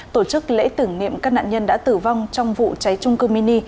tổ chức lễ tưởng niệm các nạn nhân đã tử vong trong vụ cháy trung cư mini